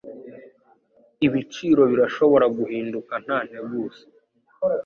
Ibiciro birashobora guhinduka nta nteguza.